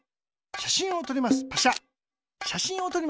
しゃしんをとります。